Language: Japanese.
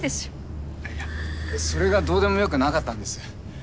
いやそれがどうでもよくなかったんです。